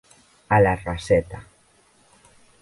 A la raseta.